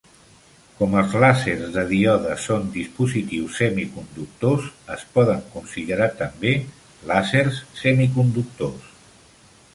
Com els làsers de díode son dispositius semiconductors, es poden considerar també làsers semiconductors.